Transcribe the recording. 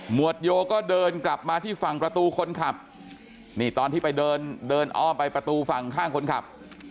วดโยก็เดินกลับมาที่ฝั่งประตูคนขับนี่ตอนที่ไปเดินเดินอ้อมไปประตูฝั่งข้างคนขับ